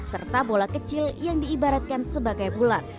serta bola kecil yang diibaratkan sebagai bulan